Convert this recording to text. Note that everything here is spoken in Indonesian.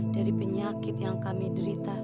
dari penyakit yang kami derita